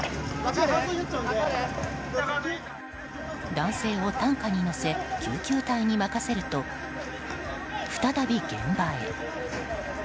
男性を担架に乗せ救急隊に任せると再び現場へ。